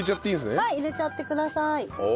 はい入れちゃってください。